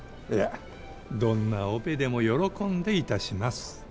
いやどんなオペでも喜んで致します。